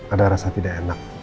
ada rasa tidak enak